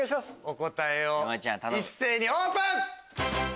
お答えを一斉にオープン！